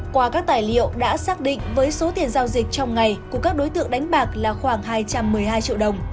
qua các tài liệu đã xác định với số tiền giao dịch trong ngày của các đối tượng đánh bạc là khoảng hai trăm một mươi hai triệu đồng